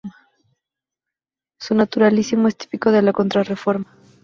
Su naturalismo es típico de la Contrarreforma.